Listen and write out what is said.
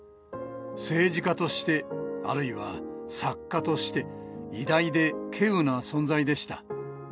政治家として、あるいは作家として、偉大でけうな存在でした。